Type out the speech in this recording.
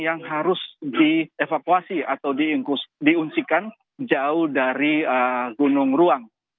yang harus dievakuasi atau diungsikan jauh dari gunung ruang